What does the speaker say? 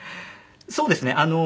そうですね。